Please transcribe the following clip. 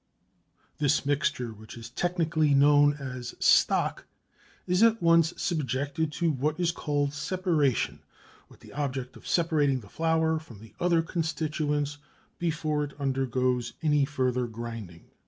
This mixture, which is technically known as stock, is at once subjected to what is called separation, with the object of separating the flour from the other constituents before it undergoes any further grinding.